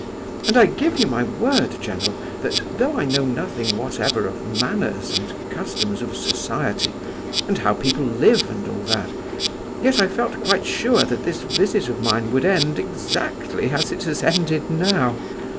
"And I give you my word, general, that though I know nothing whatever of manners and customs of society, and how people live and all that, yet I felt quite sure that this visit of mine would end exactly as it has ended now.